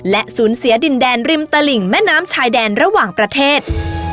และสูญเสียดินแดนริมตลิ่งแม่น้ำชายแดนระหว่างประเทศ